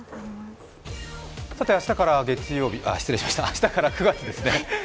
明日から９月ですね。